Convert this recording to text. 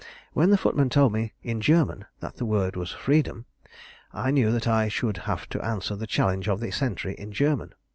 "When the footman told me in German that the word was 'Freedom,' I knew that I should have to answer the challenge of the sentry in German.